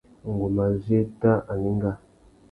Ngu má zu éta anenga.